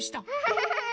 ハハハハ！